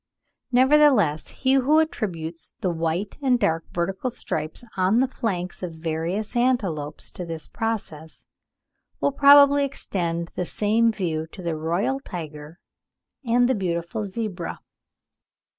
Nevertheless he who attributes the white and dark vertical stripes on the flanks of various antelopes to this process, will probably extend the same view to the Royal Tiger and beautiful Zebra.